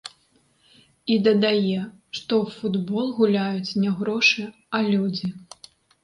І дадае, што ў футбол гуляюць не грошы, а людзі.